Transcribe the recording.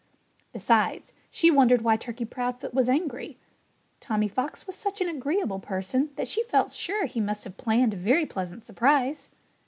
Besides, she wondered why Turkey Proudfoot was angry. Tommy Fox was such an agreeable person that she felt sure he must have planned a very pleasant surprise.